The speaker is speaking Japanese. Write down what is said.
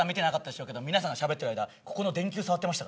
皆さんがしゃべっている間ここの電球、触ってました。